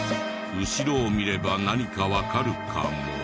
後ろを見れば何かわかるかも。